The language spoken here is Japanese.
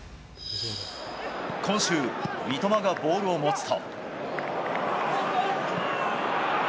今週、三笘がボールを持つと。